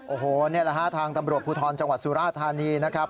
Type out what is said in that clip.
โอ้โหนี่แหละฮะทางตำรวจภูทรจังหวัดสุราธานีนะครับ